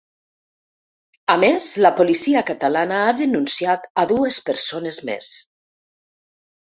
A més, la policia catalana ha denunciat a dues persones més.